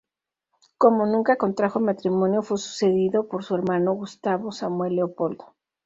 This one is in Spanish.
Como nunca contrajo matrimonio fue sucedido por su hermano Gustavo Samuel Leopoldo.